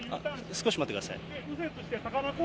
少し待ってください。